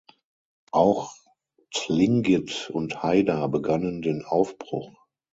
Auch Tlingit und Haida begannen den Aufbruch.